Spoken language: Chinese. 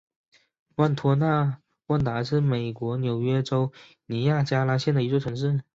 北托纳万达是美国纽约州尼亚加拉县的一座城市。